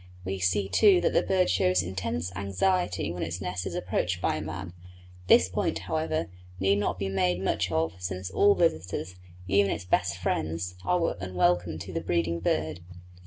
We see, too, that the bird shows intense anxiety when its nest is approached by a man; this point, however, need not be made much of, since all visitors, even its best friends, are unwelcome to the breeding bird.